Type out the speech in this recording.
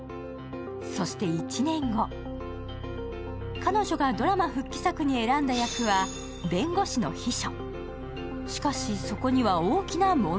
そして１年後、彼女がドラマ復帰作に選んだ役は弁護士の秘書。